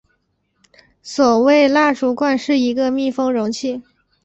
所谓蜡烛罐是一个密封容器。